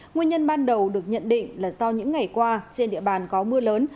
nguyên nhân ban đầu được nhận định là do những ngày qua trên địa bàn có mưa lớn